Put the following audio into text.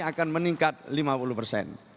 akan meningkat lima puluh persen